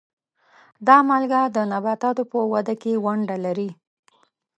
دا مالګه د نباتاتو په وده کې ونډه لري.